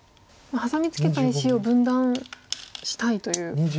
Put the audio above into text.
ハサミツケた石を分断したいということですか？